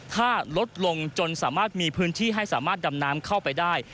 ถ้าลดลงจนสามารถมีพื้นที่ให้สามารถดำน้ำเข้าไปได้